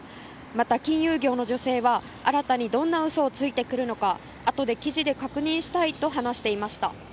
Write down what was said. また、金融業の女性は新たにどんな嘘をついてくるのかあとで記事で確認したいと話していました。